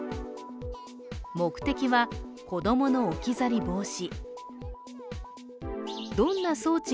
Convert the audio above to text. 目的は、子供の置き去り防止。